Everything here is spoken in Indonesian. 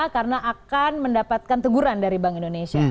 karena akan mendapatkan teguran dari bank indonesia